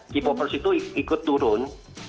k popers itu ikut turun